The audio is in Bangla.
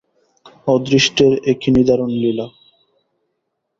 অদৃষ্টের এ কী নিদারূণ লীলা!